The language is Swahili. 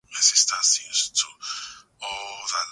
Mtu ni mwenye maozi, kuoneya kula kitu